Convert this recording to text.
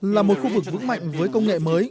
là một khu vực vững mạnh với công nghệ mới